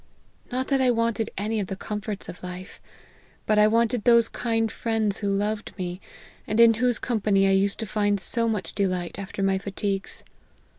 Not that I wanted any of the comforts of life, but I wanted those kind friends who loved me, and in whose company I used to find so much delight after my fatigues.